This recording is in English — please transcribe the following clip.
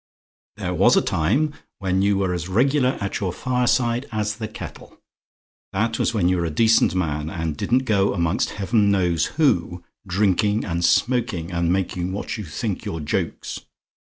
There was a time, when you were as regular at your fireside as the kettle. That was when you were a decent man, and didn't go amongst Heaven knows who, drinking and smoking, and making what you think your jokes.